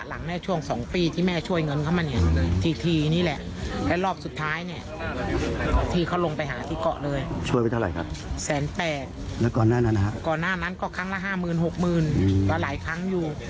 แล้วแม่เคยเตือนตรงไหน